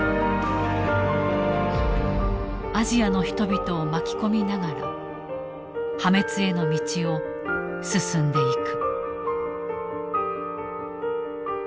アジアの人々を巻き込みながら破滅への道を進んでいく。